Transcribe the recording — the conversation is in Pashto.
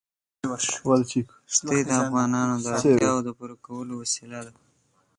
ښتې د افغانانو د اړتیاوو د پوره کولو وسیله ده.